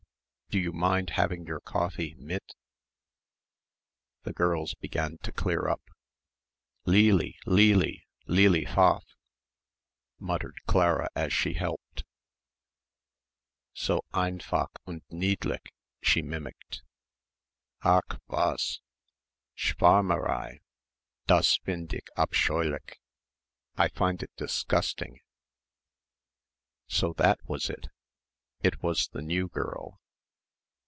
Do you mind having your coffee mit?" The girls began to clear up. "Leely, Leely, Leely Pfaff," muttered Clara as she helped, "so einfach und niedlich," she mimicked, "ach was! Schwärmerei das find' ich abscheulich! I find it disgusting!" So that was it. It was the new girl.